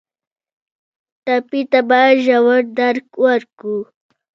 ټپي ته باید ژور درک ورکړو.